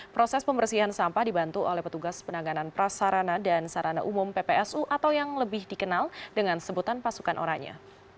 proses pembersihan sampah dibantu oleh petugas penanganan prasarana dan sarana umum ppsu atau yang lebih dikenal dengan sebutan pasukan orangnya